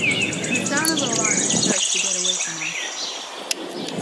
The sound of the alarm starts to get away from us.